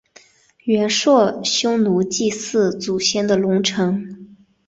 元朔匈奴祭祀祖先的龙城。